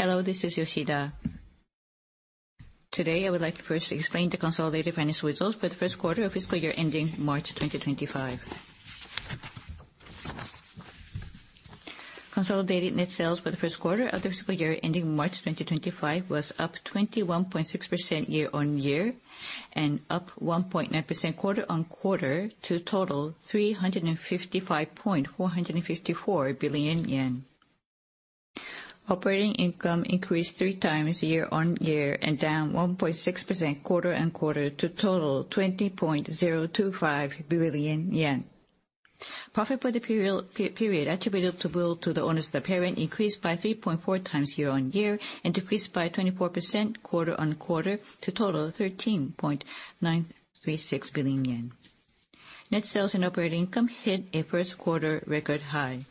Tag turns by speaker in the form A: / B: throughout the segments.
A: Hello, this is Yoshida. Today, I would like to first explain the consolidated financial results for the first quarter of fiscal year ending March 2025. Consolidated net sales for the first quarter of the fiscal year ending March 2025 was up 21.6% year-on-year, and up 1.9% quarter-on-quarter to total 355.454 billion yen. Operating income increased 3 times year-on-year, and down 1.6% quarter-on-quarter to total 20.025 billion yen. Profit for the period attributable to the owners of the parent increased by 3.4 times year-on-year, and decreased by 24% quarter-on-quarter to total 13.936 billion yen. Net sales and operating income hit a first quarter record high.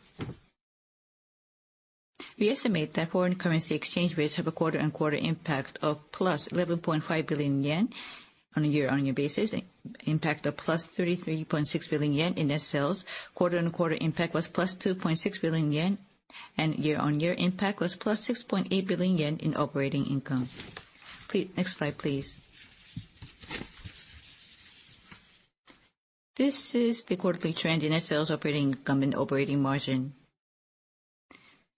A: We estimate that foreign currency exchange rates have a quarter-on-quarter impact of +11.5 billion yen. On a year-on-year basis, impact of +33.6 billion yen in net sales. Quarter-on-quarter impact was +2.6 billion yen, and year-on-year impact was +6.8 billion yen in operating income. Please, next slide, please. This is the quarterly trend in net sales, operating income, and operating margin.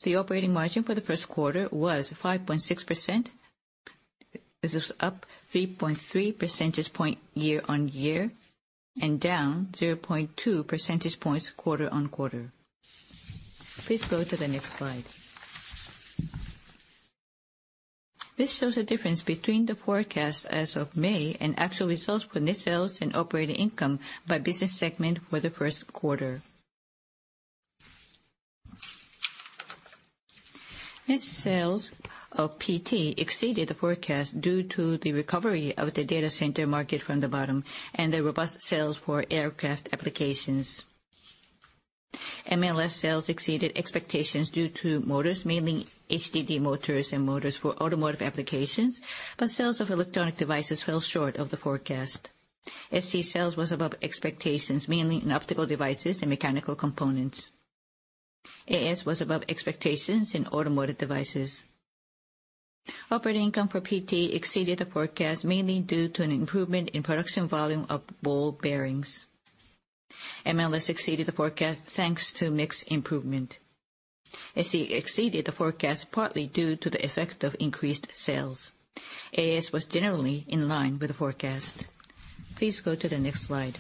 A: The operating margin for the first quarter was 5.6%. This was up 3.3 percentage point year-on-year and down 0.2 percentage points quarter-on-quarter. Please go to the next slide. This shows the difference between the forecast as of May and actual results for net sales and operating income by business segment for the first quarter. Net sales of PT exceeded the forecast due to the recovery of the data center market from the bottom and the robust sales for aircraft applications. MLS sales exceeded expectations due to motors, mainly HDD motors and motors for automotive applications, but sales of electronic devices fell short of the forecast. SE sales was above expectations, mainly in optical devices and mechanical components. AS was above expectations in automotive devices. Operating income for PT exceeded the forecast, mainly due to an improvement in production volume of ball bearings. MLS exceeded the forecast, thanks to mix improvement. SE exceeded the forecast, partly due to the effect of increased sales. AS was generally in line with the forecast. Please go to the next slide.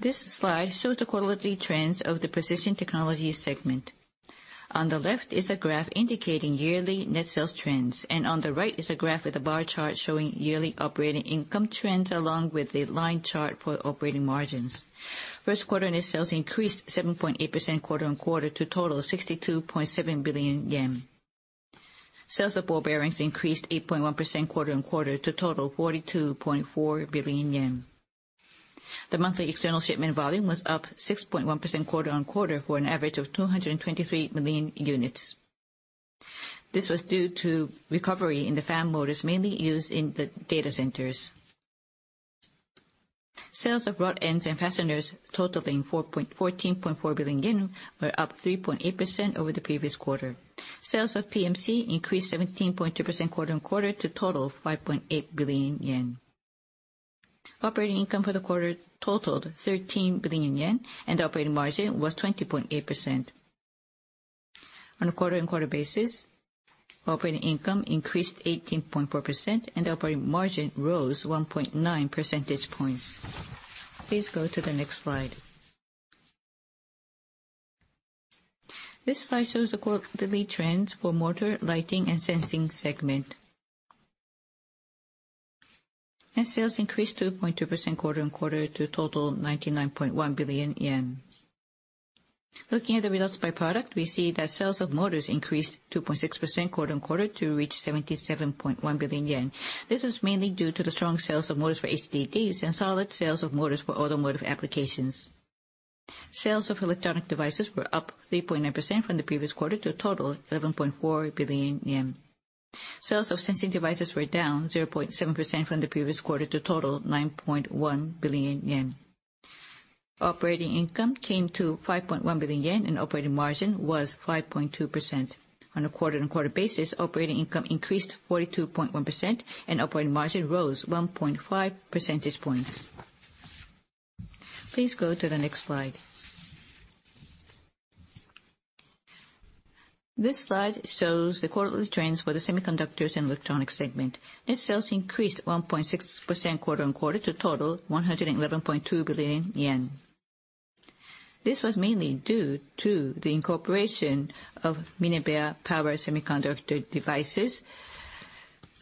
A: This slide shows the quarterly trends of the Precision Technologies segment. On the left is a graph indicating yearly net sales trends, and on the right is a graph with a bar chart showing yearly operating income trends, along with a line chart for operating margins. First quarter net sales increased 7.8% quarter-on-quarter to total 62.7 billion yen. Sales of ball bearings increased 8.1% quarter-on-quarter to total 42.4 billion yen. The monthly external shipment volume was up 6.1% quarter-on-quarter for an average of 223 million units. This was due to recovery in the fan motors, mainly used in the data centers. Sales of rod ends and fasteners totaling 14.4 billion yen were up 3.8% over the previous quarter. Sales of pivot assemblies increased 17.2% quarter-on-quarter to total 5.8 billion yen. Operating income for the quarter totaled 13 billion yen, and operating margin was 20.8%. On a quarter-on-quarter basis, operating income increased 18.4%, and operating margin rose 1.9 percentage points. Please go to the next slide. This slide shows the quarterly trends for Motor, Lighting and Sensing segment. Net sales increased 2.2% quarter-on-quarter to total 99.1 billion yen. Looking at the results by product, we see that sales of motors increased 2.6% quarter-on-quarter to reach 77.1 billion yen. This is mainly due to the strong sales of motors for HDDs and solid sales of motors for automotive applications. Sales of electronic devices were up 3.9% from the previous quarter to a total of 11.4 billion yen. Sales of sensing devices were down 0.7% from the previous quarter to total 9.1 billion yen. Operating income came to 5.1 billion yen, and operating margin was 5.2%. On a quarter-on-quarter basis, operating income increased 42.1%, and operating margin rose 1.5 percentage points. Please go to the next slide. This slide shows the quarterly trends for the Semiconductors and Electronics segment. Net sales increased 1.6% quarter-on-quarter to total 111.2 billion yen. This was mainly due to the incorporation of Minebea Power Semiconductor Device,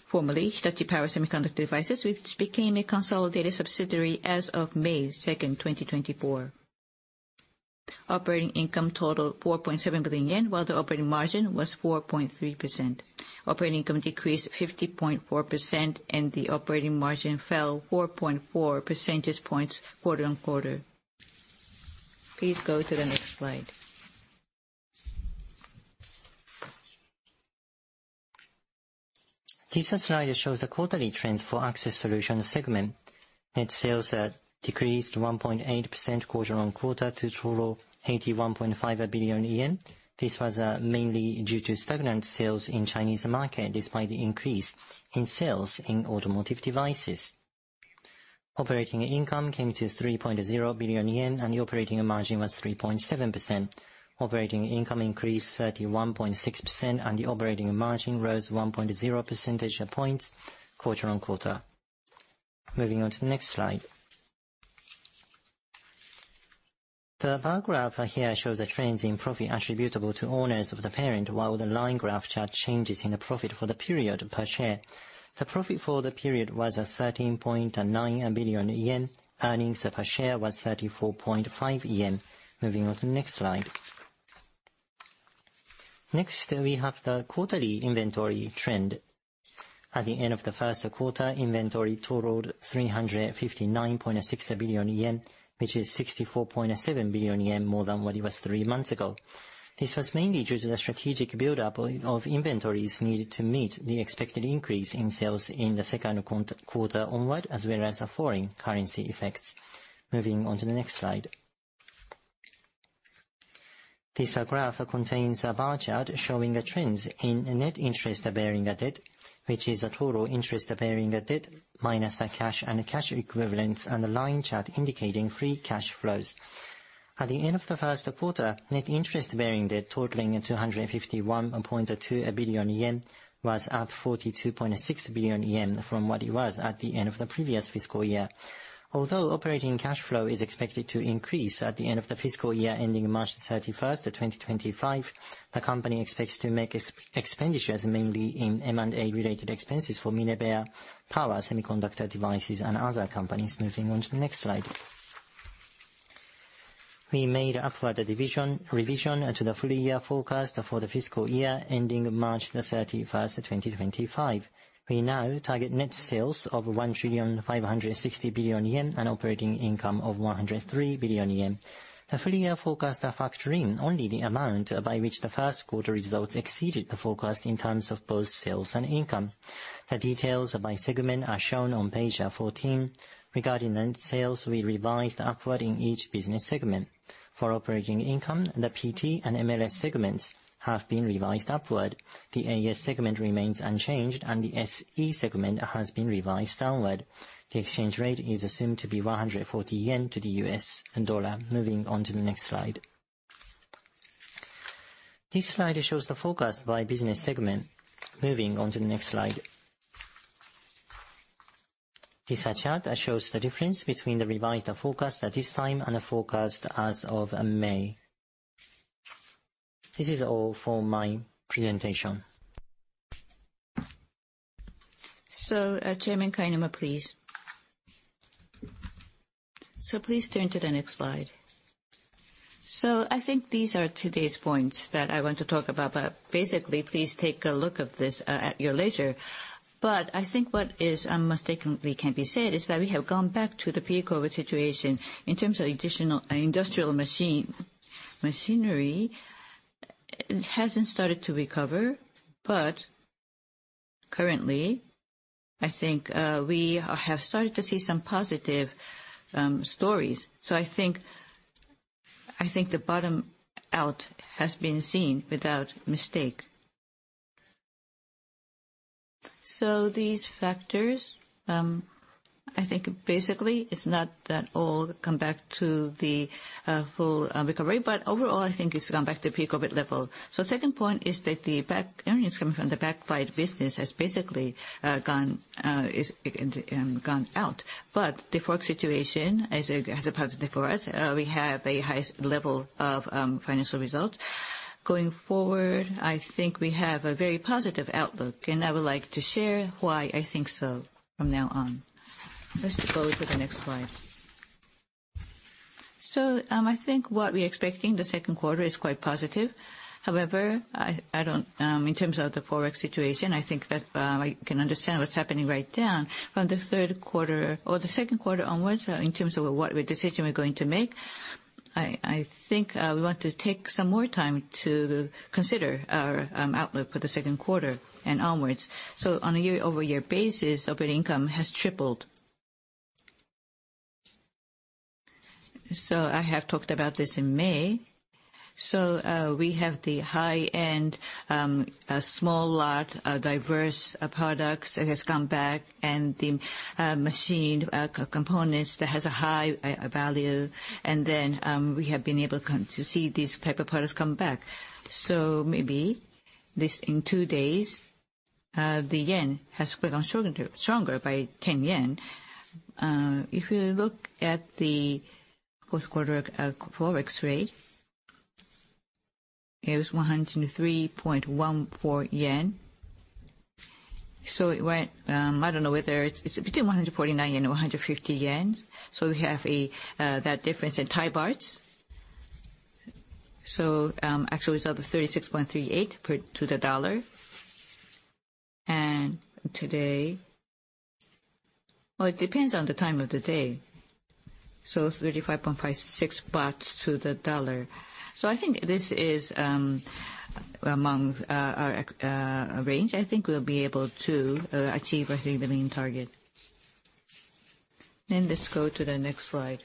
A: formerly Hitachi Power Semiconductor Device, which became a consolidated subsidiary as of May 2, 2024. Operating income totaled 4.7 billion yen, while the operating margin was 4.3%. Operating income decreased 50.4%, and the operating margin fell 4.4 percentage points quarter-on-quarter. Please go to the next slide.
B: This slide shows the quarterly trends for Access Solutions segment. Net sales decreased 1.8% quarter-on-quarter to total 81.5 billion yen. This was mainly due to stagnant sales in Chinese market, despite the increase in sales in automotive devices. Operating income came to 3.0 billion yen, and the operating margin was 3.7%. Operating income increased 31.6%, and the operating margin rose 1.0 percentage points quarter-on-quarter. Moving on to the next slide. The bar graph here shows the trends in profit attributable to owners of the parent, while the line graph chart changes in the profit for the period per share. The profit for the period was 13.9 billion yen. Earnings per share was 34.5 yen. Moving on to the next slide. Next, we have the quarterly inventory trend. At the end of the first quarter, inventory totaled 359.6 billion yen, which is 64.7 billion yen more than what it was three months ago. This was mainly due to the strategic buildup of inventories needed to meet the expected increase in sales in the second quarter onward, as well as the foreign currency effects. Moving on to the next slide. This graph contains a bar chart showing the trends in net interest-bearing debt, which is a total interest bearing debt minus the cash and cash equivalents, and the line chart indicating free cash flows. At the end of the first quarter, net interest bearing debt totaling 251.2 billion yen was up 42.6 billion yen from what it was at the end of the previous fiscal year. Although operating cash flow is expected to increase at the end of the fiscal year, ending March 31, 2025, the company expects to make expenditures, mainly in M&A-related expenses for Minebea Power Semiconductor Device and other companies. Moving on to the next slide. We made upward revision to the full year forecast for the fiscal year, ending March 31, 2025. We now target net sales of 1,560 billion yen and operating income of 103 billion yen. The full year forecast is factoring only the amount by which the first quarter results exceeded the forecast in terms of both sales and income. The details by segment are shown on page 14. Regarding net sales, we revised upward in each business segment. For operating income, the PT and MLS segments have been revised upward. The AS segment remains unchanged, and the SE segment has been revised downward. The exchange rate is assumed to be 140 yen to the US dollar. Moving on to the next slide. This slide shows the forecast by business segment. Moving on to the next slide. This chart shows the difference between the revised forecast at this time, and the forecast as of May. This is all for my presentation.
A: So, Chairman Kainuma, please. So please turn to the next slide. So I think these are today's points that I want to talk about, but basically, please take a look at this at your leisure. But I think what is unmistakably can be said is that we have gone back to the pre-COVID situation. In terms of additional industrial machine, machinery, it hasn't started to recover, but currently, I think we have started to see some positive stories. So I think the bottom out has been seen without mistake. So these factors, I think basically it's not that all come back to the full recovery, but overall, I think it's gone back to pre-COVID level. So second point is that the backlight earnings coming from the backlight business has basically gone out. But the Forex situation is a positive for us. We have a highest level of financial results. Going forward, I think we have a very positive outlook, and I would like to share why I think so from now on. Let's go to the next slide. So, I think what we're expecting, the second quarter is quite positive. However, I don't, in terms of the Forex situation, I think that I can understand what's happening right down. From the third quarter or the second quarter onwards, in terms of what decision we're going to make, I think we want to take some more time to consider our outlook for the second quarter and onwards. So on a year-over-year basis, operating income has tripled. So I have talked about this in May. So, we have the high-end, a small lot of diverse products that has come back, and the machined components that has a high value, and then, we have been able to see these type of products come back. So maybe this in two days, the yen has become stronger by 10 yen. If you look at the fourth quarter Forex rate, it was 103.14 yen. So it went, I don't know whether it's between 149 yen and 150 yen. So we have that difference in Thai bahts. So, actually it's up to 36.38 Baht to the dollar. And today. Well, it depends on the time of the day. So 35.56 baht to the dollar. So I think this is among our range. I think we'll be able to achieve, I think, the main target. Then let's go to the next slide.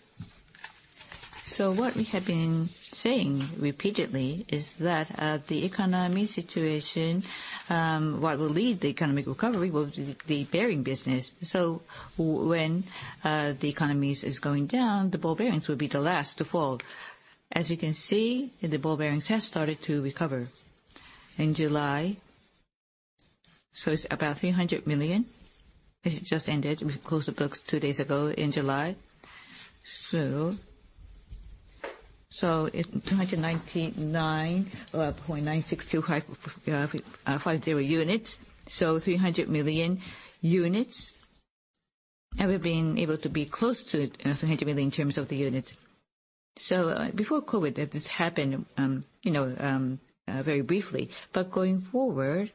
A: So what we have been saying repeatedly is that the economy situation what will lead the economic recovery will be the bearing business. So when the economy is going down, the ball bearings will be the last to fall. As you can see, the ball bearings have started to recover. In July, so it's about 300 million. It just ended. We closed the books two days ago in July. So, so it 299,962,550 units, so 300 million units. And we've been able to be close to 300 million in terms of the units. So before COVID, this happened, you know, very briefly, but going forward,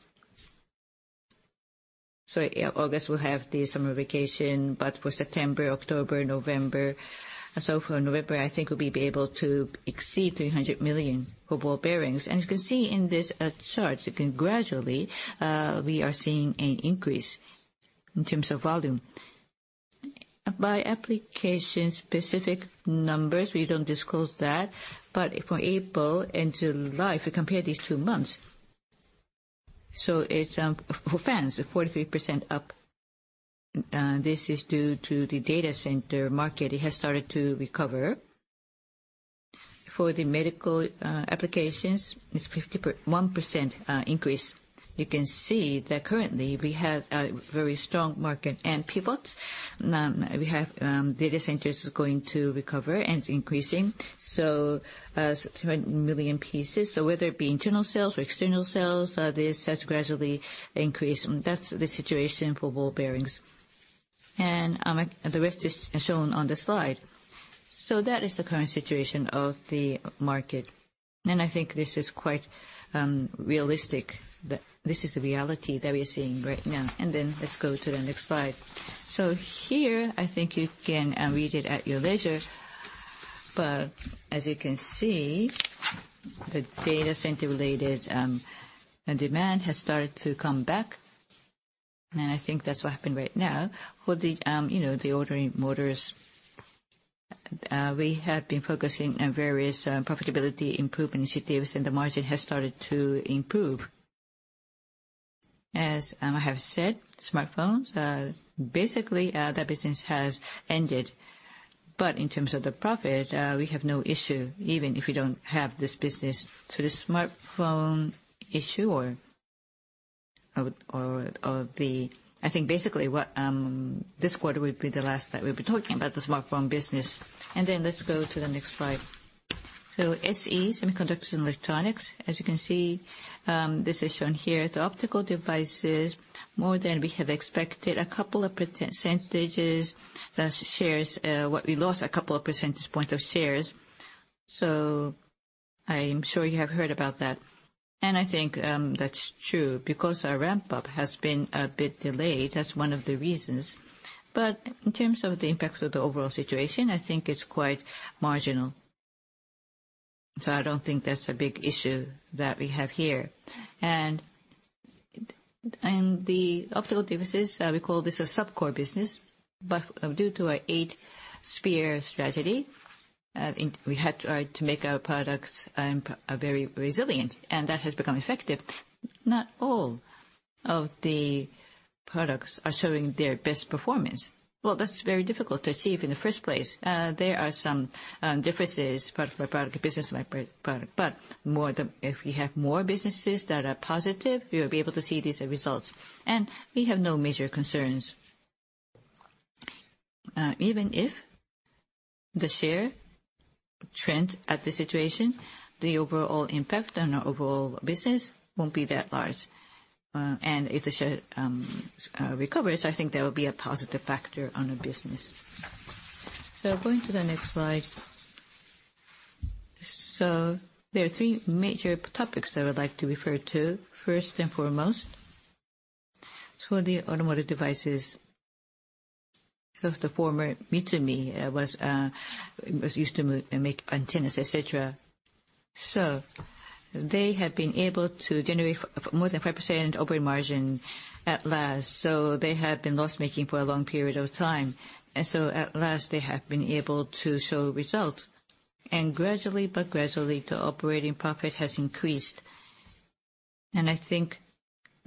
A: so August will have the summer vacation, but for September, October, November. So for November, I think we'll be able to exceed 300 million for ball bearings. And you can see in this chart, you can gradually we are seeing an increase in terms of volume. By application-specific numbers, we don't disclose that, but for April into July, if you compare these two months, so it's for fans, 43% up. This is due to the data center market; it has started to recover. For the medical applications, it's 51% increase. You can see that currently, we have a very strong market and pivots. We have data centers going to recover and increasing, so 200 million pieces. Whether it be internal sales or external sales, this has gradually increased, and that's the situation for ball bearings. The rest is shown on the slide. That is the current situation of the market, and I think this is quite realistic, that this is the reality that we are seeing right now. Then let's go to the next slide. Here, I think you can read it at your leisure. But as you can see, the data center-related demand has started to come back, and I think that's what happened right now. For the, you know, the ordinary motors, we have been focusing on various profitability improvement initiatives, and the margin has started to improve. As I have said, smartphones, basically, that business has ended. But in terms of the profit, we have no issue, even if we don't have this business. So the smartphone issue. I think basically, this quarter will be the last that we'll be talking about the smartphone business. And then let's go to the next slide. So SE, Semiconductors and Electronics. As you can see, this is shown here, the optical devices, more than we have expected, a couple of percentage points, the shares, what we lost a couple of percentage points of shares. So I am sure you have heard about that, and I think, that's true, because our ramp-up has been a bit delayed. That's one of the reasons. But in terms of the impact of the overall situation, I think it's quite marginal. So I don't think that's a big issue that we have here. The optical devices, we call this a subcore business, but due to our Eight Spears strategy, we had to try to make our products very resilient, and that has become effective. Not all of the products are showing their best performance. Well, that's very difficult to achieve in the first place. There are some differences product by product, business by product, but more the if we have more businesses that are positive, we will be able to see these results. We have no major concerns. Even if the share trend at the situation, the overall impact on our overall business won't be that large. And if the share recovers, I think that will be a positive factor on the business. Going to the next slide. So there are three major topics that I would like to refer to. First and foremost, for the automotive devices, so the former Mitsumi was used to make antennas, et cetera. So they have been able to generate more than 5% operating margin at last. So they have been loss-making for a long period of time, and so at last, they have been able to show results. And gradually, but gradually, the operating profit has increased. And I think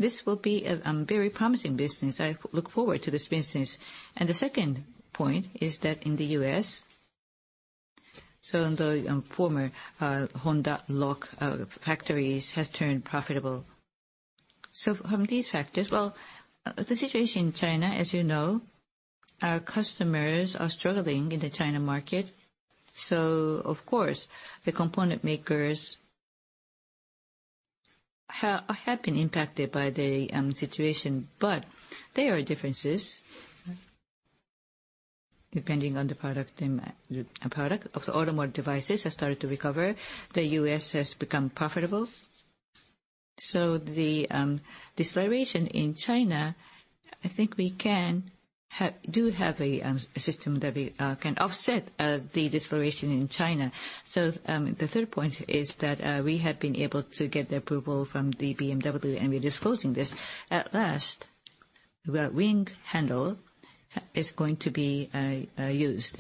A: this will be a very promising business. I look forward to this business. And the second point is that in the U.S., so the former Honda Lock factories has turned profitable. So from these factors... Well, the situation in China, as you know, our customers are struggling in the China market. So of course, the component makers have been impacted by the situation, but there are differences, depending on the product demand. Product of the automotive devices has started to recover. The U.S. has become profitable. So the deceleration in China, I think we do have a system that we can offset the deceleration in China. So the third point is that we have been able to get the approval from the BMW, and we're disclosing this. At last, the flush handle is going to be used.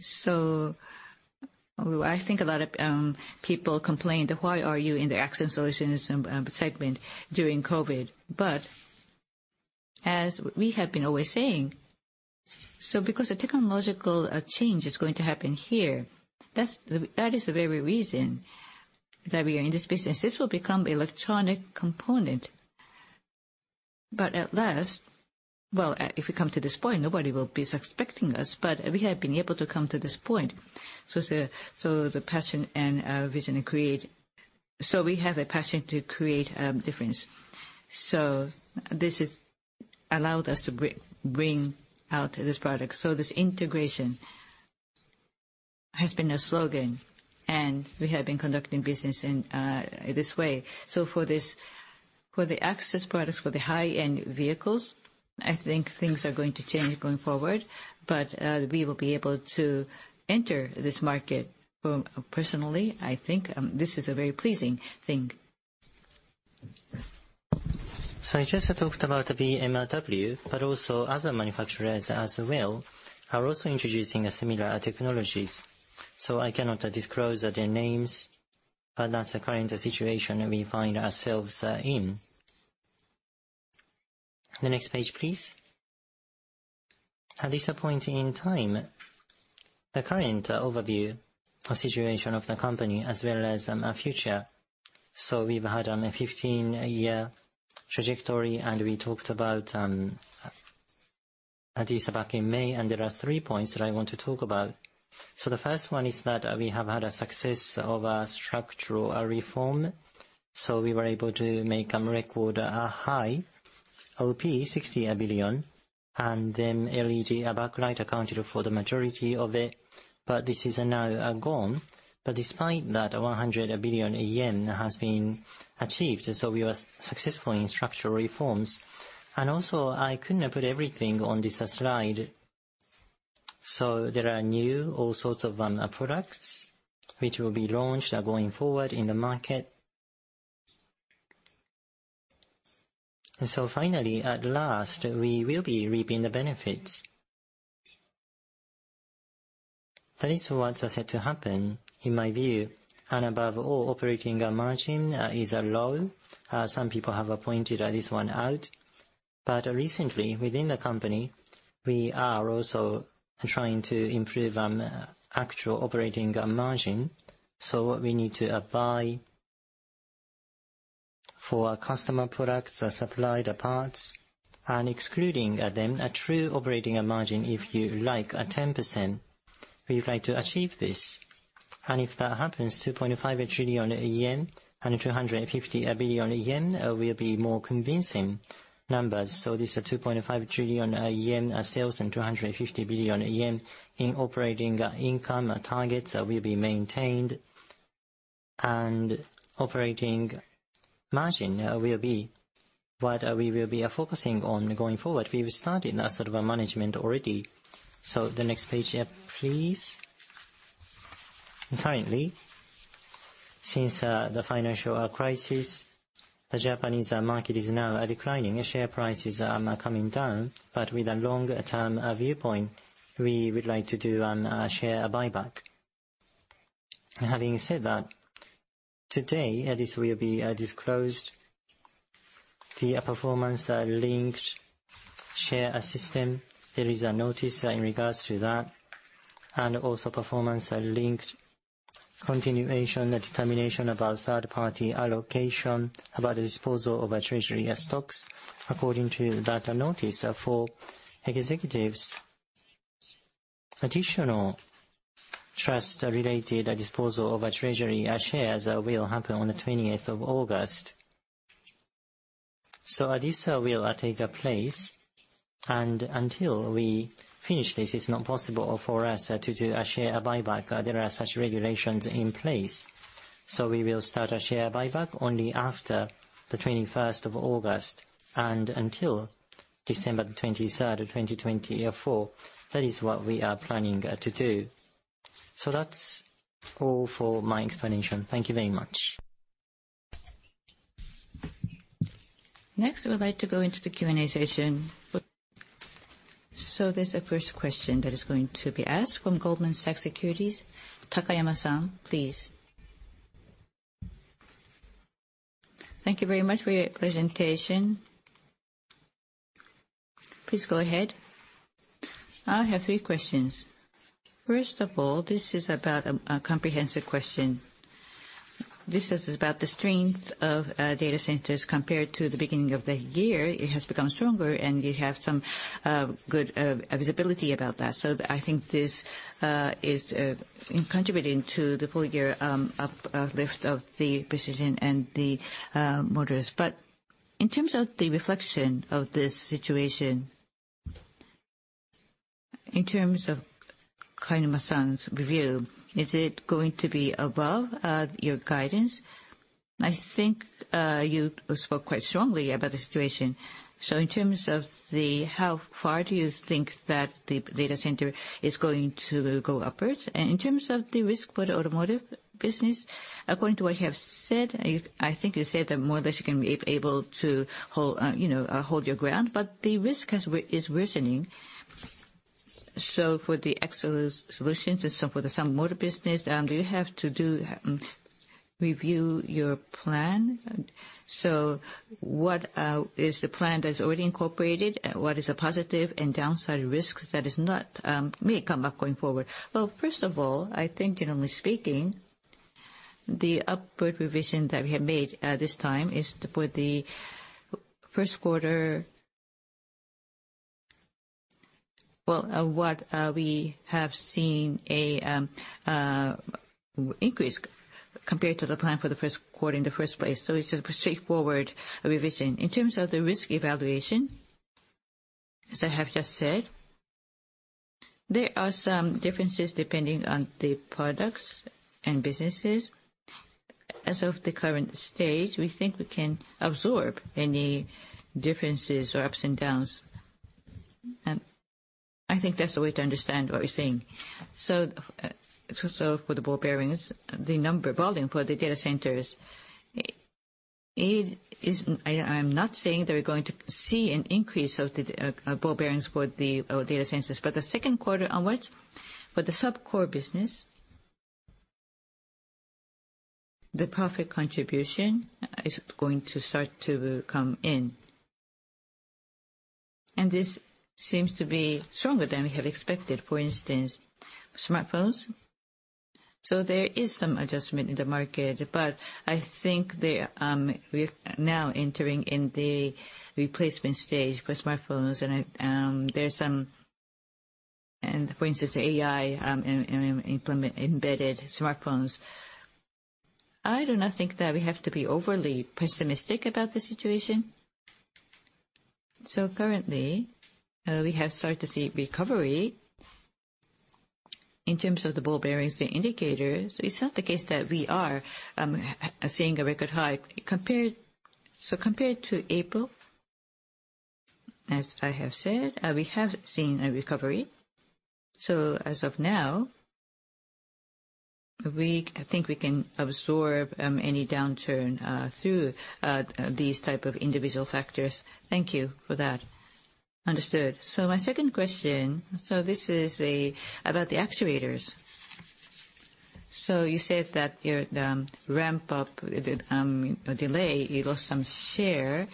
A: So I think a lot of people complained, "Why are you in the Access Solutions segment during COVID?" But as we have been always saying, so because the technological change is going to happen here, that's the that is the very reason that we are in this business. This will become electronic component. But at last, well, if we come to this point, nobody will be suspecting us, but we have been able to come to this point. So the, so the passion and vision create. So we have a passion to create difference. So this has allowed us to bring out this product. So this integration has been a slogan, and we have been conducting business in this way. So for this, for the access products, for the high-end vehicles, I think things are going to change going forward, but we will be able to enter this market. Personally, I think this is a very pleasing thing.
B: So I just talked about the BMW, but also other manufacturers as well are also introducing similar technologies, so I cannot disclose their names, but that's the current situation we find ourselves in. The next page, please. At this point in time, the current overview or situation of the company, as well as our future. So we've had a 15-year trajectory, and we talked about at least back in May, and there are three points that I want to talk about. So the first one is that we have had a success of a structural reform, so we were able to make record high OP, 60 billion, and then LED backlight accounted for the majority of it, but this is now gone. But despite that, 100 billion yen has been achieved, so we were successful in structural reforms. And also, I couldn't have put everything on this slide, so there are new all sorts of products which will be launched going forward in the market. And so finally, at last, we will be reaping the benefits. That is what is set to happen, in my view, and above all, operating margin is low. Some people have pointed this one out, but recently, within the company, we are also trying to improve on the actual operating margin. So what we need to apply for our customer products, our supplied parts, and excluding them, a true operating margin, if you like, 10%. We'd like to achieve this. And if that happens, 2.5 trillion yen and 250 billion yen will be more convincing numbers. So this is 2.5 trillion yen sales, and 250 billion yen in operating income targets will be maintained. And operating margin will be what we will be focusing on going forward. We've started that sort of a management already. So the next page please. Currently, since the financial crisis, the Japanese market is now declining and share prices are now coming down, but with a long-term viewpoint, we would like to do a share buyback. Having said that, today, this will be disclosed, the performance linked share system. There is a notice in regards to that, and also performance linked continuation, the determination about third-party allocation, about the disposal of our treasury stocks, according to that notice, for executives. Additional trust-related disposal of our treasury shares will happen on the 20th of August. So this will take place, and until we finish this, it's not possible for us to do a share buyback. There are such regulations in place. So we will start our share buyback only after the 21st of August and until December 23rd of 2024. That is what we are planning to do. So that's all for my explanation. Thank you very much.
C: Next, I would like to go into the Q&A session. So there's a first question that is going to be asked from Goldman Sachs Securities. Takayama-san, please.
D: Thank you very much for your presentation. Please go ahead. I have three questions. First of all, this is about a comprehensive question. This is about the strength of data centers compared to the beginning of the year. It has become stronger, and you have some good visibility about that. So I think this is contributing to the full year up lift of the precision and the motors. But in terms of the reflection of this situation, in terms of Kainuma-san's review, is it going to be above your guidance? I think you spoke quite strongly about the situation. So, in terms of how far do you think that the data center is going to go upwards? And in terms of the risk for the automotive business, according to what you have said, I think you said that more or less you can be able to hold, you know, hold your ground, but the risk is worsening. So for the Access Solutions and so for the small motor business, do you have to review your plan? So, what is the plan that's already incorporated, and what is the positive and downside risks that is not may come up going forward?
A: Well, first of all, I think generally speaking, the upward revision that we have made this time is for the first quarter. Well, we have seen an increase compared to the plan for the first quarter in the first place, so it's a straightforward revision. In terms of the risk evaluation, as I have just said, there are some differences depending on the products and businesses. As of the current stage, we think we can absorb any differences or ups and downs. I think that's the way to understand what we're saying. So for the ball bearings, the number volume for the data centers, it is—I, I'm not saying they're going to see an increase of the ball bearings for the data centers. But the second quarter onwards, for the subcore business, the profit contribution is going to start to come in. And this seems to be stronger than we had expected, for instance, smartphones. So there is some adjustment in the market, but I think the, we're now entering in the replacement stage for smartphones, and, there's some. And for instance, AI, implement, embedded smartphones. I do not think that we have to be overly pessimistic about the situation. So currently, we have started to see recovery. In terms of the ball bearings, the indicators, it's not the case that we are, seeing a record high. Compared, so compared to April, as I have said, we have seen a recovery. So as of now, we, I think we can absorb, any downturn, through, these type of individual factors.
D: Thank you for that. Understood. So my second question, so this is a, about the actuators. So you said that your, ramp up, delay, you lost some share.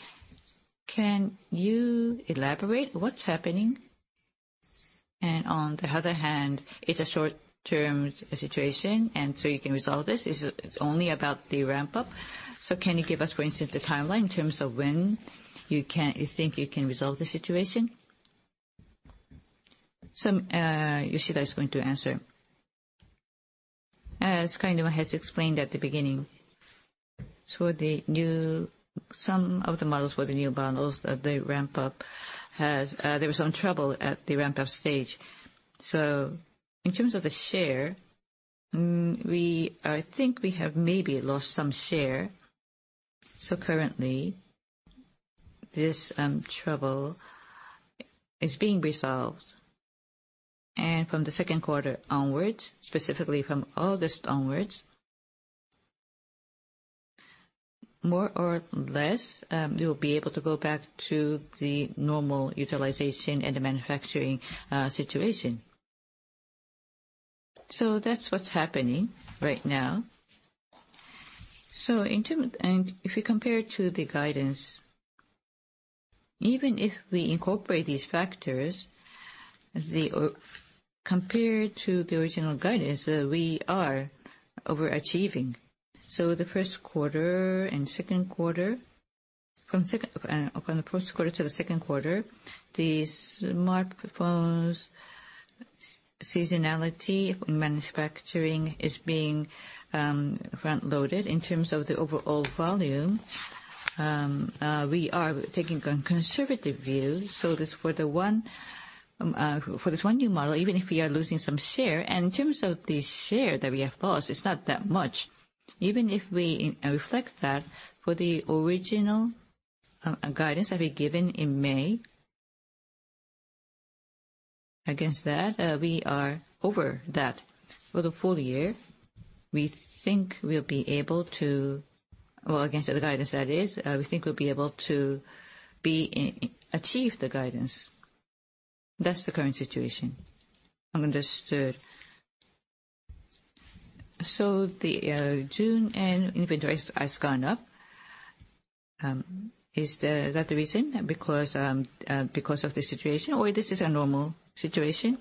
D: Can you elaborate what's happening? And on the other hand, it's a short-term situation, and so you can resolve this. Is it? It's only about the ramp up. So can you give us, for instance, the timeline in terms of when you can, you think you can resolve the situation?
B: So, Yoshida is going to answer. As Kainuma has explained at the beginning, so the new, some of the models for the new bundles that they ramp up has, there was some trouble at the ramp up stage. So in terms of the share, we, I think we have maybe lost some share. So currently, this, trouble is being resolved, and from the second quarter onwards, specifically from August onwards, more or less, we will be able to go back to the normal utilization and the manufacturing, situation. So that's what's happening right now. So in terms and if we compare it to the guidance, even if we incorporate these factors, compared to the original guidance, we are overachieving. So the first quarter and second quarter, from the first quarter to the second quarter, the smartphones seasonality manufacturing is being front-loaded. In terms of the overall volume, we are taking a conservative view. So for this one new model, even if we are losing some share, and in terms of the share that we have lost, it's not that much. Even if we reflect that, for the original guidance that we've given in May, against that, we are over that. For the full year, we think we'll be able to... Or against the guidance that is, we think we'll be able to achieve the guidance. That's the current situation. Understood. So the June-end inventories has gone up. Is that the reason? Because of the situation, or this is a normal situation?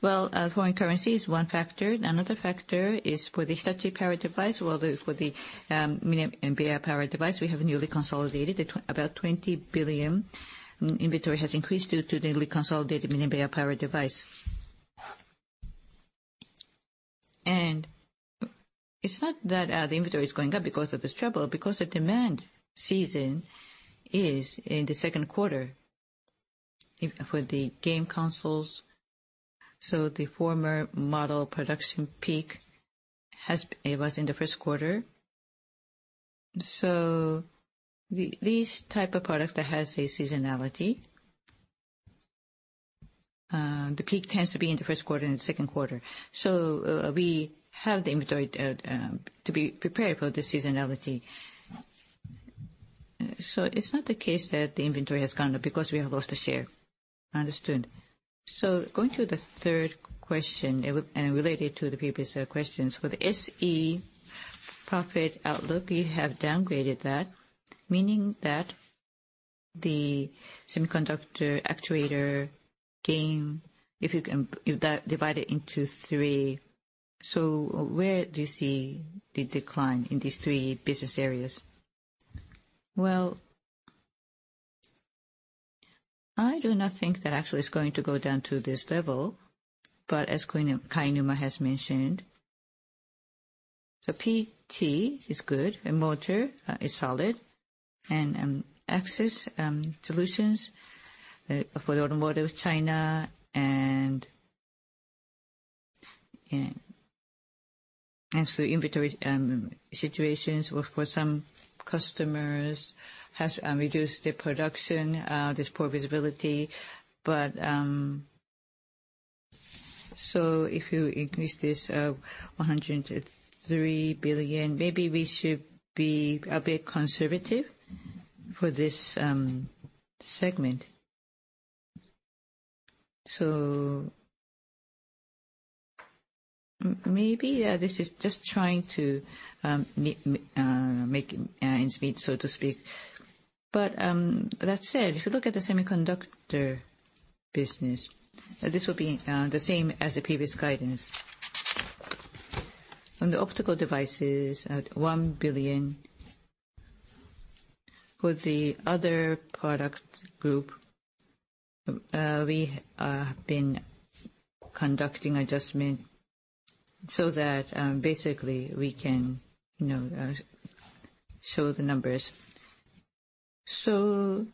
B: Well, foreign currency is one factor. Another factor is for the Hitachi Power Device. Well, Hitachi Power Device, we have newly consolidated. About 20 billion inventory has increased due to the consolidated Hitachi Power Device. ...And it's not that, the inventory is going up because of this trouble, because the demand season is in the second quarter, if for the game consoles. So the former model production peak it was in the first quarter. So these type of products that has a seasonality, the peak tends to be in the first quarter and the second quarter. So, we have the inventory, to be prepared for the seasonality. So it's not the case that the inventory has gone up because we have lost a share.
D: Understood. So going to the third question, and related to the previous questions. For the SE profit outlook, you have downgraded that, meaning that the semiconductor actuator gain, if you can, if that divided into three, so where do you see the decline in these three business areas?
B: Well, I do not think that actually is going to go down to this level, but as Kainuma has mentioned, the PT is good, and motor is solid, and Access solutions for the automotive, China, and so inventory situations for some customers has reduced their production, there's poor visibility. But, so if you increase this 103 billion, maybe we should be a bit conservative for this segment. So maybe this is just trying to make ends meet, so to speak. But, that said, if you look at the semiconductor business, this will be the same as the previous guidance. On the optical devices, at 1 billion. For the other product group, we have been conducting adjustment so that basically we can, you know, show the numbers. So,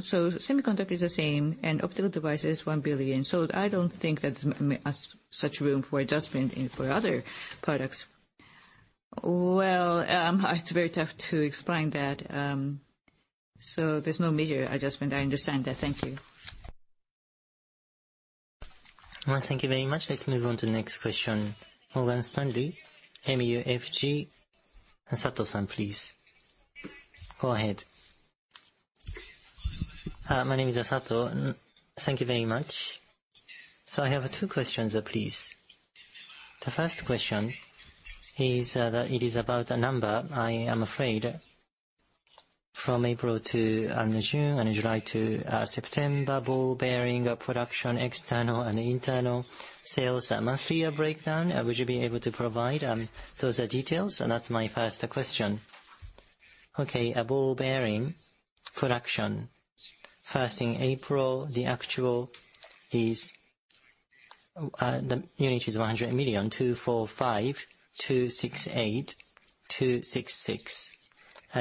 B: semiconductor is the same, and optical device is 1 billion. So I don't think that's such room for adjustment for other products.
D: Well, it's very tough to explain that. There's no major adjustment. I understand that. Thank you.
B: Well, thank you very much. Let's move on to the next question. Morgan Stanley MUFG, and Sato-san, please. Go ahead.
E: My name is Sato. Thank you very much. So I have two questions, please. The first question is, that it is about a number, I am afraid, from April to June and July to September, ball bearing production, external and internal sales, monthly breakdown. Would you be able to provide those details? And that's my first question.
B: Okay, a ball bearing production. First, in April, the actual is, the units in millions, 245, 268, 266.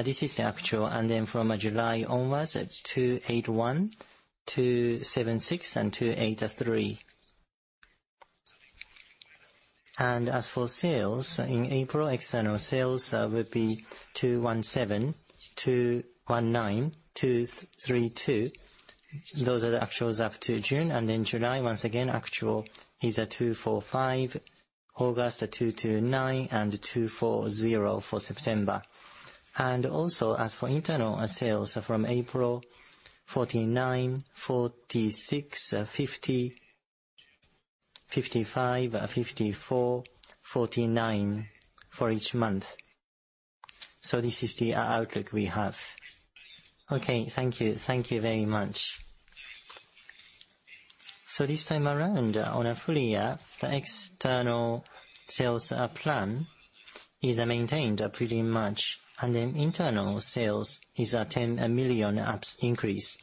B: This is the actual, and then from July onwards, 281, 276, and 283. As for sales, in April, external sales would be 217, 219, 232. Those are the actuals up to June, and then July, once again, actual is 245, August, 229, and 240 for September. Also, as for internal sales, from April, 49, 46, 50, 55, 54, 49 for each month. So this is the outlook we have.
E: Okay, thank you. Thank you very much. So this time around, on a full year, the external sales plan is maintained pretty much, and then internal sales is a 10 million increase.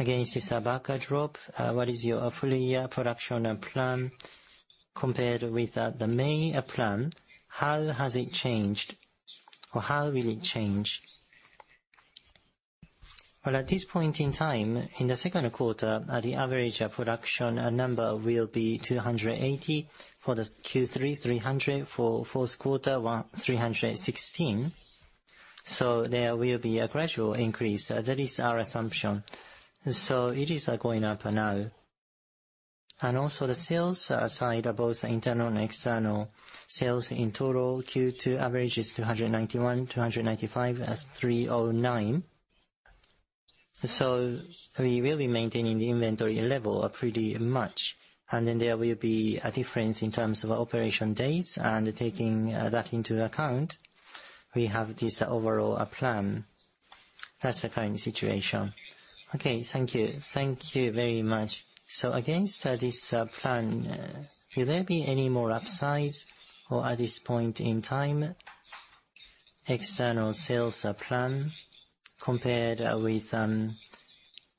E: Against this backdrop, what is your full year production and plan compared with the main plan? How has it changed, or how will it change?
B: Well, at this point in time, in the second quarter, the average production number will be 280. For the Q3, 300. For fourth quarter, 316. So there will be a gradual increase. That is our assumption. So it is going up now. And also, the sales side, both internal and external sales in total, Q2 average is 291, 295, and 309. So we will be maintaining the inventory level pretty much, and then there will be a difference in terms of operation days. And taking that into account, we have this overall plan. That's the current situation.
E: Okay, thank you. Thank you very much. So against this plan, will there be any more upsides or at this point in time?... External sales plan compared with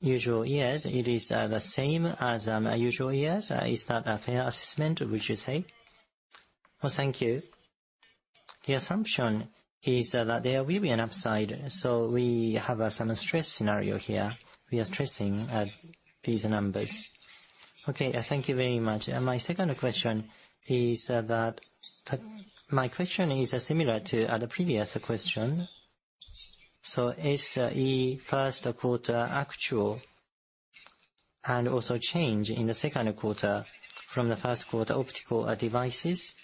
E: usual years, it is the same as usual years. Is that a fair assessment, would you say?
B: Well, thank you. The assumption is that there will be an upside, so we have some stress scenario here. We are stressing these numbers. Okay, thank you very much. And my second question is that my question is similar to the previous question. So, the first quarter actual and also change in the second quarter from the first quarter, optical devices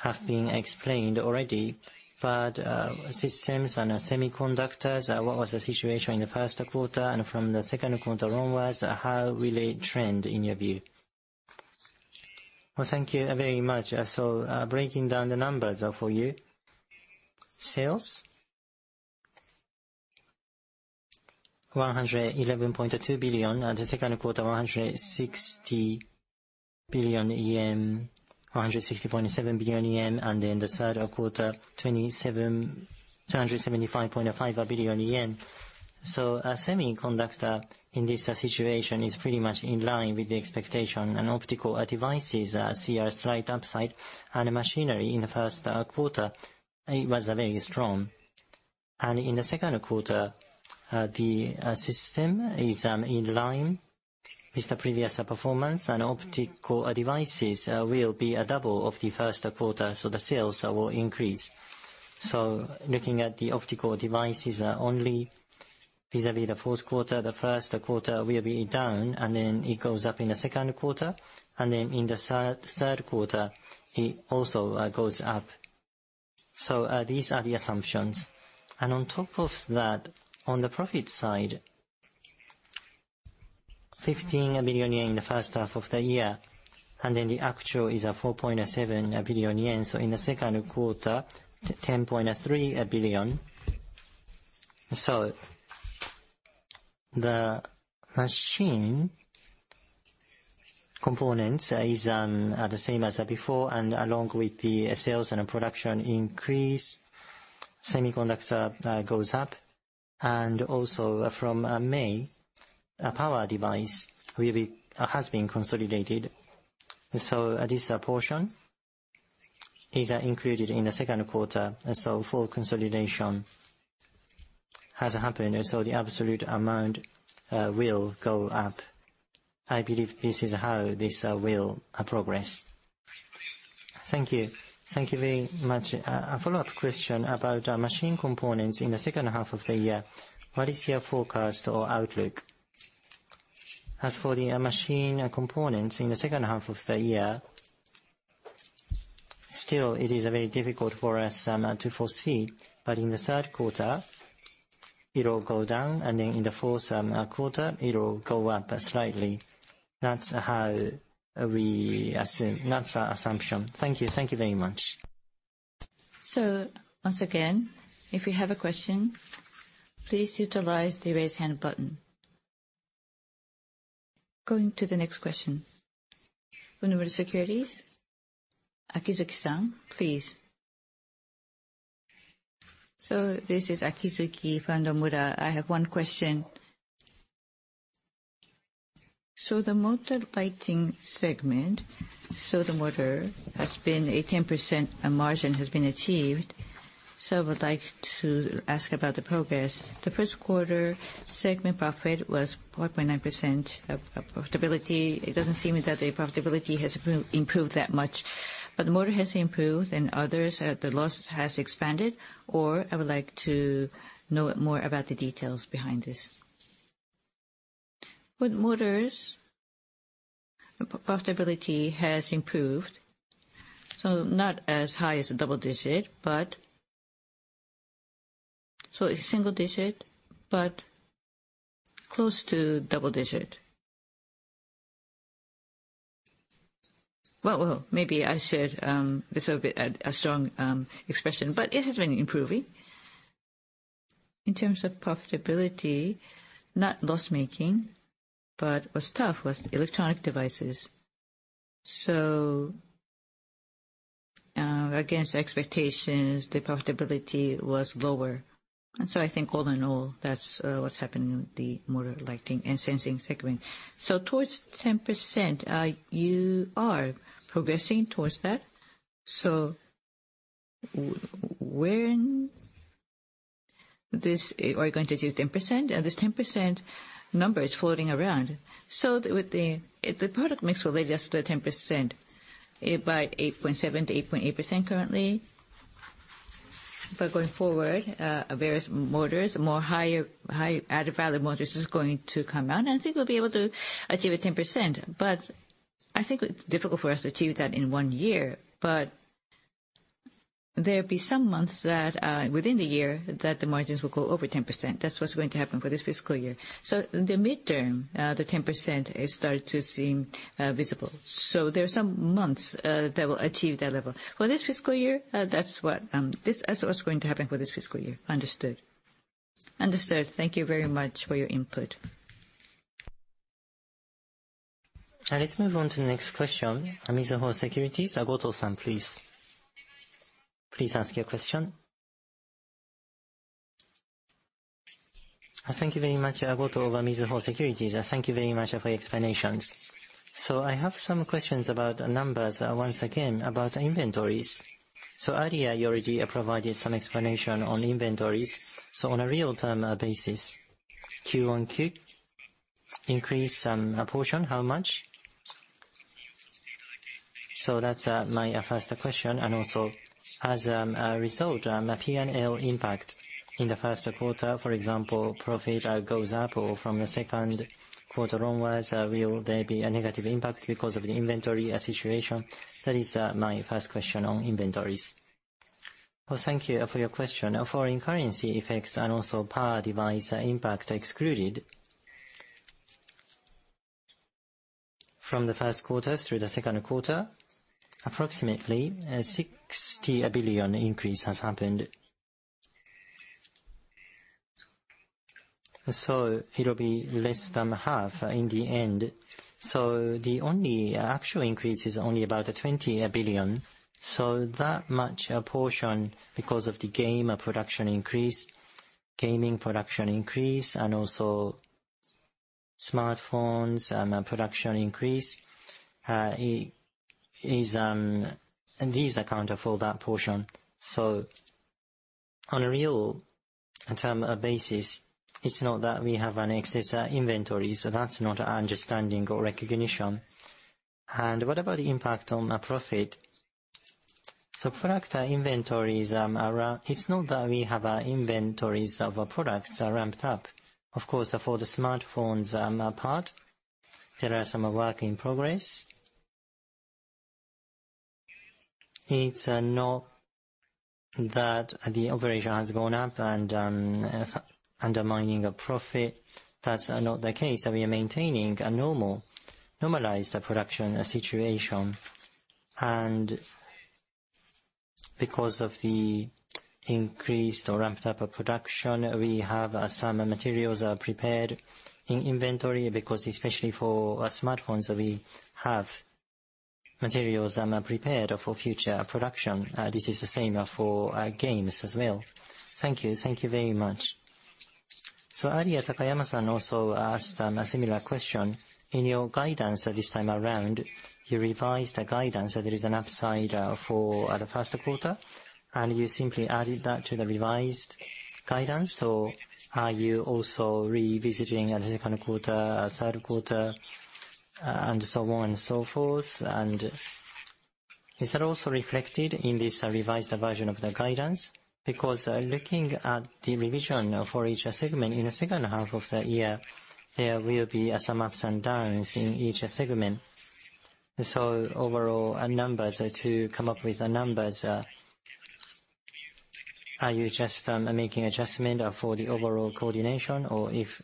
B: have been explained already, but systems and semiconductors, what was the situation in the first quarter, and from the second quarter onwards, how will it trend in your view? Well, thank you very much. So, breaking down the numbers for you. Sales, 111.2 billion, and the second quarter, 160 billion yen, 160.7 billion yen, and then the third quarter, 275.5 billion yen. So a semiconductor in this situation is pretty much in line with the expectation, and optical devices see a slight upside. And machinery in the first quarter, it was very strong. In the second quarter, the system is in line with the previous performance, and optical devices will be double of the first quarter, so the sales will increase. So looking at the optical devices only vis-à-vis the fourth quarter, the first quarter will be down, and then it goes up in the second quarter, and then in the third, third quarter, it also goes up. So these are the assumptions. And on top of that, on the profit side, 15 billion yen in the first half of the year, and then the actual is 4.7 billion yen. So in the second quarter, 10.3 billion. So the machined components is the same as before, and along with the sales and production increase, semiconductor goes up, and also from May, a power device has been consolidated. So this portion is included in the second quarter, and so full consolidation has happened, so the absolute amount will go up. I believe this is how this will progress.
E: Thank you. Thank you very much. A follow-up question about machined components in the second half of the year. What is your forecast or outlook? As for the machined components in the second half of the year, still it is very difficult for us to foresee, but in the third quarter, it'll go down, and then in the fourth quarter, it'll go up slightly. That's how we assume. That's our assumption. Thank you. Thank you very much.
C: Once again, if you have a question, please utilize the Raise Hand button. Going to the next question. Nomura Securities, Akizuki-san, please.
F: This is Akizuki from Nomura. I have one question. The motor lighting segment, the motor has been a 10% margin has been achieved, so I would like to ask about the progress. The first quarter segment profit was 4.9% of profitability. It doesn't seem that the profitability has improved that much, but the motor has improved, and others, the loss has expanded. I would like to know more about the details behind this. With motors, profitability has improved, so not as high as double digit, but... So it's single digit, but close to double digit. Well, well, maybe I said this will be a strong expression, but it has been improving. In terms of profitability, not loss-making, but what's tough was electronic devices. So, against expectations, the profitability was lower. And so I think all in all, that's what's happening in the Motor, Lighting and Sensing segment. So towards 10%, you are progressing towards that? So when this, are you going to do 10%? This 10% number is floating around. So with the product mix will lead us to 10%, by 8.7%-8.8% currently. But going forward, various motors, more higher, high added value motors is going to come out, and I think we'll be able to achieve a 10%. But I think it's difficult for us to achieve that in one year. But there'll be some months that within the year that the margins will go over 10%. That's what's going to happen for this fiscal year. So in the midterm, the 10%, it starts to seem visible. So there are some months that will achieve that level. For this fiscal year, that's what this is what's going to happen for this fiscal year. Understood. Understood. Thank you very much for your input.
C: Let's move on to the next question. Mizuho Securities, Goto-san, please.
E: Please ask your question. Thank you very much. Goto of Mizuho Securities. Thank you very much for your explanations. So I have some questions about the numbers, once again, about the inventories. So earlier, you already provided some explanation on inventories. So on a real-time basis, Q on Q, increase portion, how much? So that's my first question. And also, as a result, a P&L impact in the first quarter, for example, profit goes up, or from the second quarter onwards, will there be a negative impact because of the inventory situation? That is my first question on inventories.
B: Well, thank you for your question. Foreign currency effects and also power device impact excluded. From the first quarter through the second quarter, approximately a 60 billion increase has happened. So it'll be less than half in the end. So the only actual increase is only about 20 billion. So that much portion, because of the game production increase, gaming production increase, and also smartphones production increase, it is. These account for that portion. So on a real term basis, it's not that we have an excess inventories. So that's not our understanding or recognition. And what about the impact on our profit? So product inventories are, it's not that we have inventories of our products are ramped up. Of course, for the smartphones part, there are some work in progress. It's not that the operation has gone up and undermining a profit. That's not the case. So we are maintaining a normal, normalized production situation. And because of the increased or ramped up of production, we have some materials are prepared in inventory, because especially for smartphones, we have materials prepared for future production. This is the same for games as well.
E: Thank you. Thank you very much. So earlier, Takayama-san also asked a similar question. In your guidance this time around, you revised the guidance, so there is an upside for the first quarter, and you simply added that to the revised guidance. So are you also revisiting the second quarter, third quarter, and so on and so forth? And is that also reflected in this revised version of the guidance? Because looking at the revision for each segment in the second half of the year, there will be some ups and downs in each segment. So overall, numbers, to come up with the numbers, are you just making adjustment for the overall coordination? Or if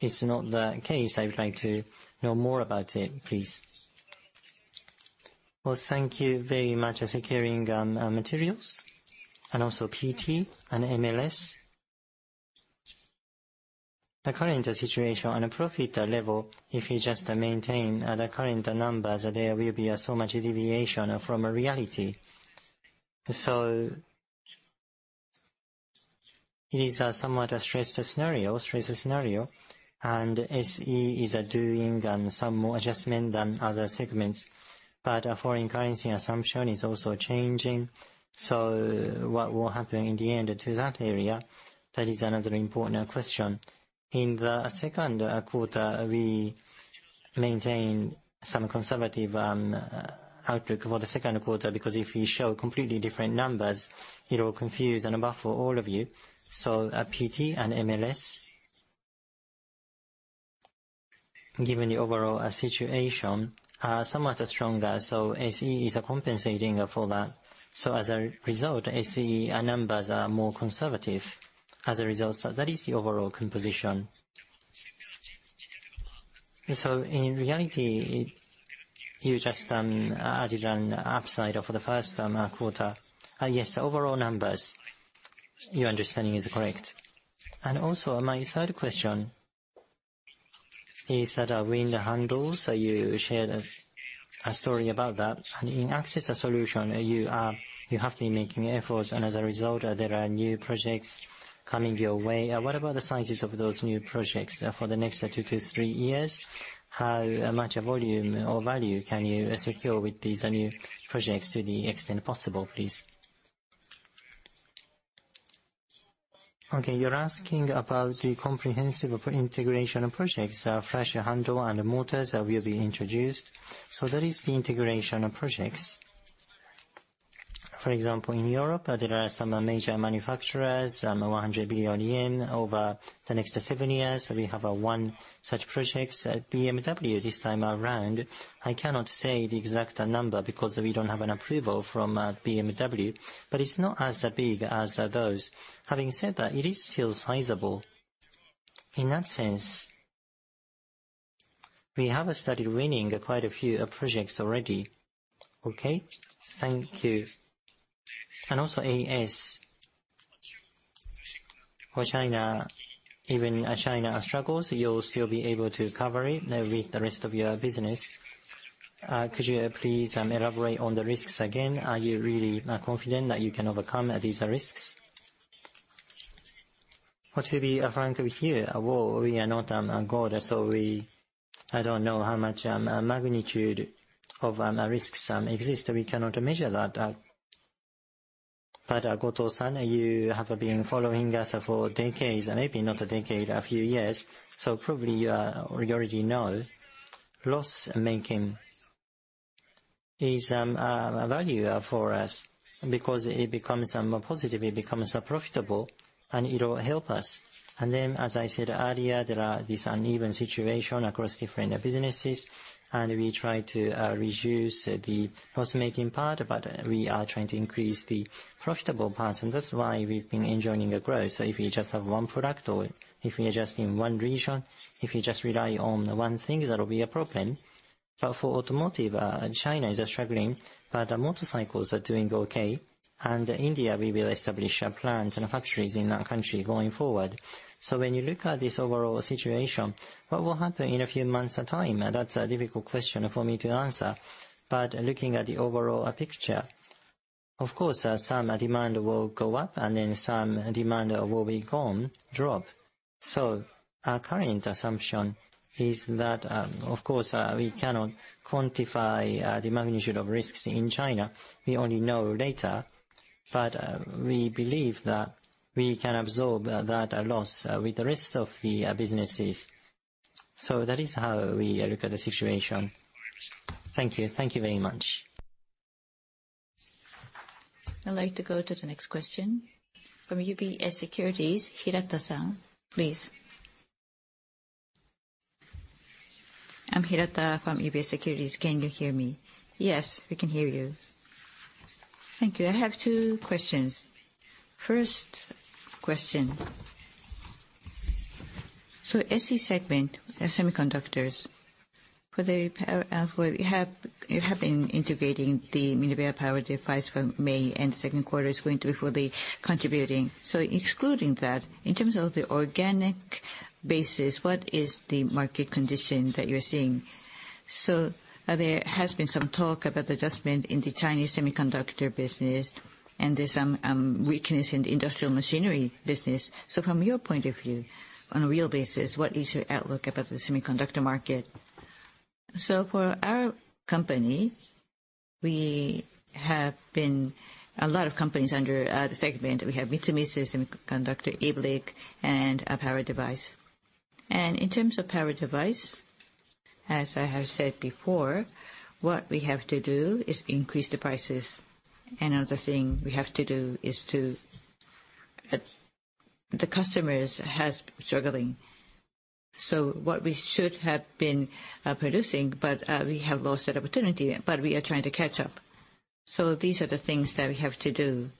E: it's not the case, I would like to know more about it, please.
B: Well, thank you very much. Securing materials and also PT and MLS. The current situation on a profit level, if you just maintain the current numbers, there will be so much deviation from reality. So it is a somewhat a stressed scenario, stress scenario, and SE is doing some more adjustment than other segments. But foreign currency assumption is also changing. So what will happen in the end to that area, that is another important question. In the second quarter, we maintain some conservative outlook for the second quarter, because if we show completely different numbers, it will confuse and baffle all of you. So at PT and MLS, given the overall situation, are somewhat stronger, so SE is compensating for that. So as a result, SE, our numbers are more conservative as a result. So that is the overall composition. So in reality, you just added an upside for the first quarter. Yes, overall numbers, your understanding is correct. And also, my third question is that we in the handles, so you shared a story about that. And in access solution, you are- you have been making efforts, and as a result, there are new projects coming your way. What about the sizes of those new projects for the next two to three years? How much volume or value can you secure with these new projects to the extent possible, please? Okay, you're asking about the comprehensive integration projects, flush handle and motors that will be introduced. So that is the integration of projects. For example, in Europe, there are some major manufacturers, 100 billion yen over the next seven years. We have one such project, BMW, this time around. I cannot say the exact number, because we don't have an approval from BMW, but it's not as big as those. Having said that, it is still sizable. In that sense, we have started winning quite a few projects already. Okay, thank you. And also AS.... for China, even as China struggles, you'll still be able to cover it with the rest of your business. Could you please elaborate on the risks again? Are you really confident that you can overcome these risks? Well, to be frank with you, we are not a god, so I don't know how much magnitude of risks exist. We cannot measure that. But Goto-san, you have been following us for decades, maybe not a decade, a few years, so probably you already know loss-making is a value for us, because it becomes positive, it becomes profitable, and it will help us. And then, as I said earlier, there are this uneven situation across different businesses, and we try to reduce the loss-making part, but we are trying to increase the profitable parts, and that's why we've been enjoying the growth. So if we just have one product, or if we are just in one region, if we just rely on the one thing, that will be a problem. But for automotive, China is struggling, but motorcycles are doing okay. And India, we will establish our plants and factories in that country going forward. So when you look at this overall situation, what will happen in a few months' time? That's a difficult question for me to answer. But looking at the overall picture, of course, some demand will go up, and then some demand will be gone, drop. So our current assumption is that, of course, we cannot quantify the magnitude of risks in China. We only know later, but we believe that we can absorb that loss with the rest of the businesses. So that is how we look at the situation.
E: Thank you. Thank you very much.
C: I'd like to go to the next question. From UBS Securities, Hirata-san, please.
G: I'm Hirata from UBS Securities. Can you hear me?
C: Yes, we can hear you.
G: Thank you. I have two questions. First question: so SE segment of semiconductors, for the power, you have been integrating the Minebea Power Semiconductor Device from May, and the second quarter is going to be fully contributing. So excluding that, in terms of the organic basis, what is the market condition that you're seeing? So there has been some talk about the adjustment in the Chinese semiconductor business, and there's some weakness in the industrial machinery business. So from your point of view, on a real basis, what is your outlook about the semiconductor market?
A: So for our company, we have a lot of companies under the segment. We have Mitsumi Semiconductor, ABLIC, and Power Device. In terms of Power Device, as I have said before, what we have to do is increase the prices. Another thing we have to do is to the customers has struggling, so what we should have been producing, but we have lost that opportunity, but we are trying to catch up. These are the things that we have to do.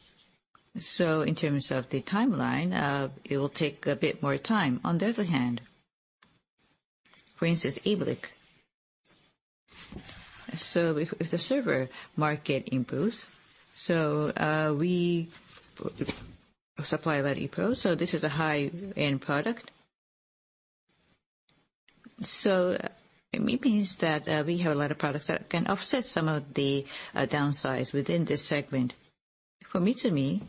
A: In terms of the timeline, it will take a bit more time. On the other hand, for instance, ABLIC, so if the server market improves, we supply that E-fuses, so this is a high-end product. So it means that we have a lot of products that can offset some of the downsides within this segment. For Mitsumi,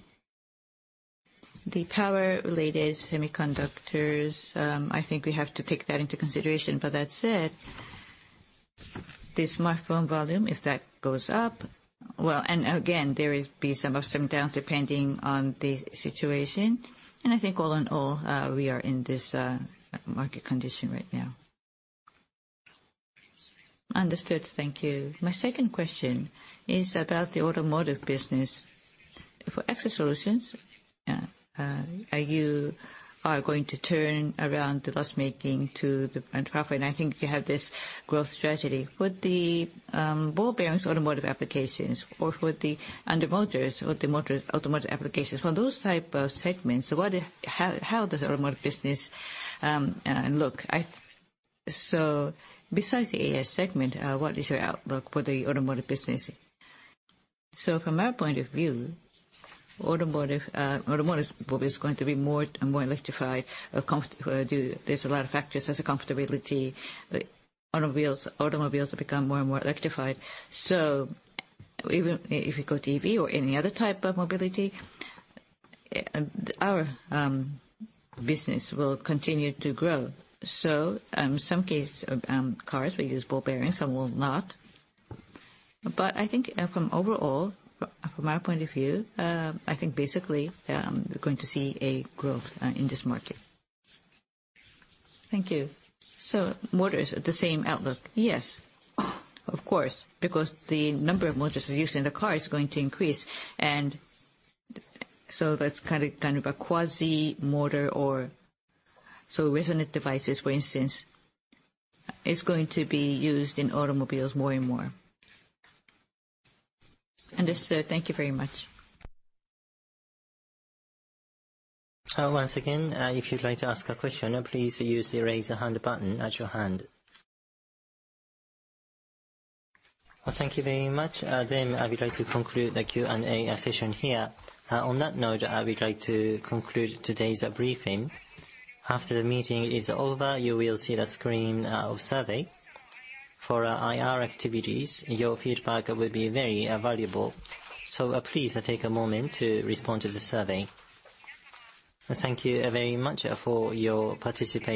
A: the power-related semiconductors, I think we have to take that into consideration. But that said, the smartphone volume, if that goes up, well, and again, there will be some ups and downs, depending on the situation. And I think all in all, we are in this market condition right now.
G: Understood. Thank you. My second question is about the automotive business. For Access Solutions, are you going to turn around the loss-making to the profit? I think you have this growth strategy. With the ball bearings automotive applications or with the under motors or the motor automotive applications, for those type of segments, how does the automotive business look? I... So besides the AS segment, what is your outlook for the automotive business?
A: So from our point of view, automotive world is going to be more and more electrified. There's a lot of factors as a comfortability. Automobiles become more and more electrified. So even if you go EV or any other type of mobility, our business will continue to grow. So, some case, cars will use ball bearings, some will not. But I think, from overall, from our point of view, I think basically, we're going to see a growth in this market.
G: Thank you. So motors are the same outlook?
A: Yes, of course, because the number of motors used in the car is going to increase. And so that's kind of, kind of a quasi motor or so resonant devices, for instance, is going to be used in automobiles more and more.
G: Understood. Thank you very much.
B: So once again, if you'd like to ask a question, please use the Raise a Hand button at your hand. Well, thank you very much. Then I would like to conclude the Q&A session here. On that note, I would like to conclude today's briefing. After the meeting is over, you will see the screen of survey. For our IR activities, your feedback will be very valuable. So, please take a moment to respond to the survey. Thank you very much for your participation.